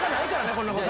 こんなこと。